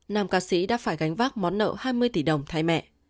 nam ca sĩ đã phải gánh vác món nợ hai mươi tỷ đồng thay mẹ